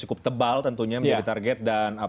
cukup tebal tentunya menjadi target dan